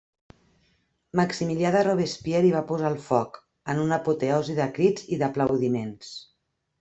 Maximilià de Robespierre hi va posar el foc, en una apoteosi de crits i d'aplaudiments.